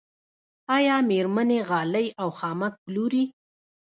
آیا میرمنې غالۍ او خامک پلوري؟